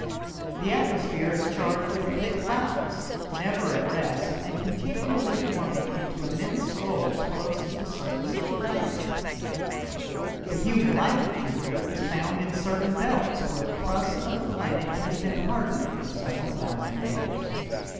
The atmosphere is charged with thick clouds, never at rest and continually forming into immense scrolls close to the surface of the planet. The human life of Jupiter is found in certain belts where the crust of the planet has been hardened for several thousand years.